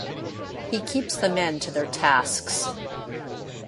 He keeps the men to their tasks.